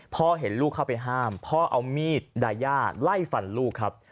พ่อเห็นลูกเข้าไปห้ามพ่อเอามีดดายาไล่ฟันลูกครับ